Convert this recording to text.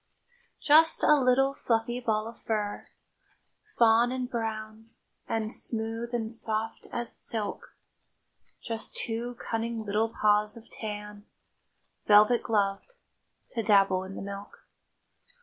Just a little fluffy ball of fur, Fawn and brown, and smooth and soft as silk; Just two cunning little paws of tan, Velvet gloved, to dabble in the milk.